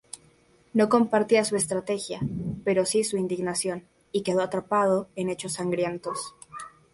No compartía su estrategia, pero sí su indignación y quedó atrapado en hechos sangrientos.